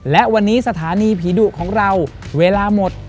และวันนี้สถานีผีดุของเราเวลาหมด